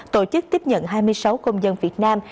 tổ chức tiếp nhận hai mươi sáu công dân việt nam